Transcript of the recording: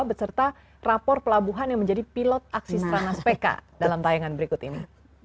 beserta rapor pelabuhan yang menjadi pilot aksi strana spk dalam tayangan berikut ini